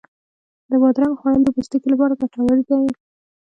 د بادرنګو خوړل د پوستکي لپاره ګټور دی.